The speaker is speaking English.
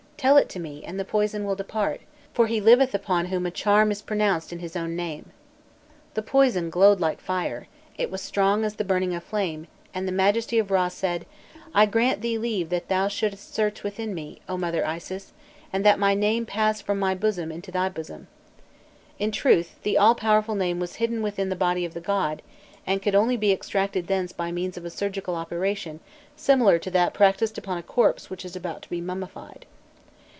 Tell it to me and the poison will depart; for he liveth upon whom a charm is pronounced in his own name." The poison glowed like fire, it was strong as the burning of flame, and the Majesty of Râ said, "I grant thee leave that thou shouldest search within me, O mother Isis! and that my name pass from my bosom into thy bosom." In truth, the all powerful name was hidden within the body of the god, and could only be extracted thence by means of a surgical operation similar to that practised upon a corpse which is about to be mummified.